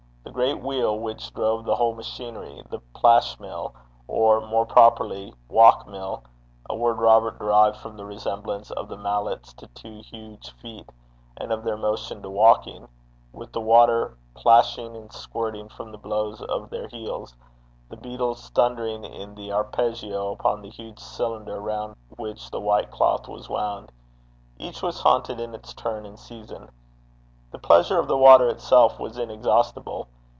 The great wheel, which drove the whole machinery; the plash mill, or, more properly, wauk mill a word Robert derived from the resemblance of the mallets to two huge feet, and of their motion to walking with the water plashing and squirting from the blows of their heels; the beatles thundering in arpeggio upon the huge cylinder round which the white cloth was wound each was haunted in its turn and season. The pleasure of the water itself was inexhaustible.